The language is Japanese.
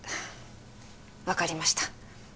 分かりました